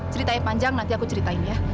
ceritanya panjang nanti aku ceritain ya